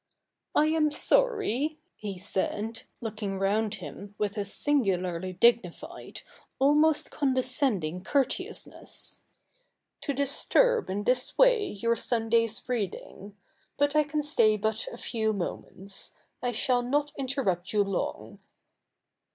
*I am sorry,' he said, looking round him with a singularly dignified, almost condescending courteousness, ' to disturb in this way your Sunday's reading. But I can but stay a few moments. I shall not interrupt you long.'